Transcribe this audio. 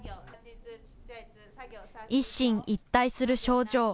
一進一退する症状。